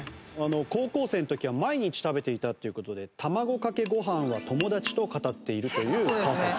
高校生の時は毎日食べていたっていう事で「卵かけご飯は友達」と語っているという川君ですね。